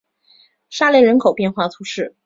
沙雷人口变化图示